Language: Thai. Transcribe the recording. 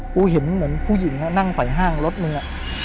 กูเห็นเหมือนพวกผู้หญิงนั่งฝ่ายห้างลดเนื้อ